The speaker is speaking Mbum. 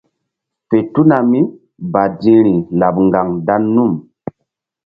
Fe tuna mí badi̧hri laɓ ŋgaŋ dan num.